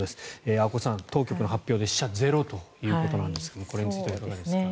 阿古さん、当局の発表で死者ゼロということなんですがこれについてはいかがですか？